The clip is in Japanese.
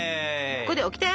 ここでオキテ。